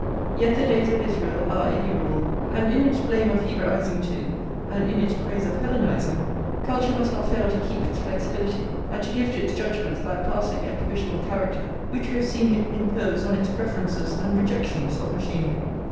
Yet the days of Israel are innumerable; and in its blame of Hebraising too, and in its praise of Hellenising, culture must not fail to keep its flexibility, and to give to its judgments that passing and provisional character which we have seen it impose on its preferences and rejections of machinery.